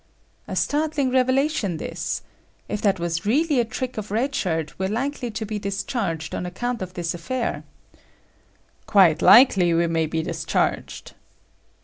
"A startling revelation, this. If that was really a trick of Red Shirt, we're likely to be discharged on account of this affair." "Quite likely we may be discharged."